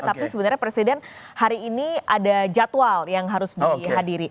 tapi sebenarnya presiden hari ini ada jadwal yang harus dihadiri